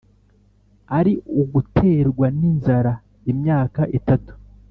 ari uguterwa n inzara imyaka itatu